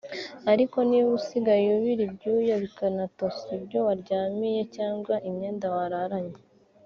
ariko niba usigaye ubira ibyuya bikanatosa ibyo uryamiye cyangwa imyenda wararanye